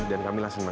dan kamila seneng